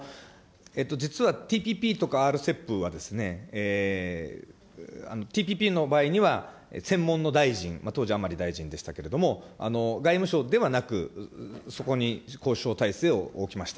実はＴＰＰとかＲＣＥＰはですね、ＴＰＰの場合には専門の大臣、当時、甘利大臣でしたけれども、外務省ではなく、そこに交渉体制を置きました。